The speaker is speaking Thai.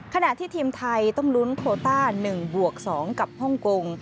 ขณะที่ทีมไทยต้องลุ้นโคต้า๑บวก๒กับฮ่องกง